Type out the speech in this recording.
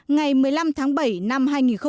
ngày một mươi năm tháng bảy năm hai nghìn một mươi chín